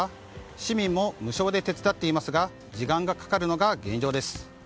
市民も無償で手伝っていますが時間がかかるのが現状です。